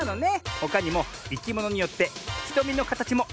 ほかにもいきものによってひとみのかたちもいろいろなんだね。